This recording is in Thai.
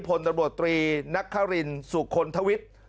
พลตำรวจตรีนักคารินสุคลทวิทย์